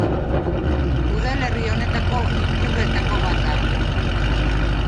Udalerri honetako ikurretako bat da.